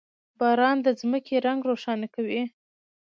• باران د ځمکې رنګ روښانه کوي.